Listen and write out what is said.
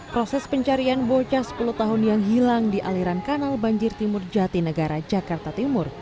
proses pencarian bocah sepuluh tahun yang hilang di aliran kanal banjir timur jati negara jakarta timur